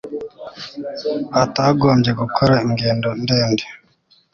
batagombye gukora ingendo ndende